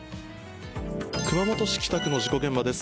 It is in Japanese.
熊本市北区の事故現場です。